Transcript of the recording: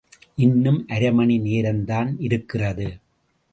இன்னும் அரைமணி நேரந்தான் இருக்கிறது.